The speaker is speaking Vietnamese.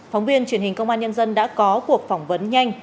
phóng viên truyền hình công an nhân dân đã có cuộc phỏng vấn nhanh